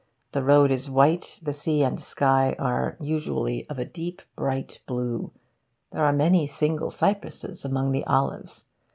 The road is white, the sea and sky are usually of a deep bright blue, there are many single cypresses among the olives.